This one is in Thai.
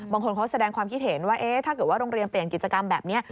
บางคนเขาแสดงความคิดเห็นว่าถ้าเกิดว่าโรงเรียนเปลี่ยนกิจกรรมแบบนี้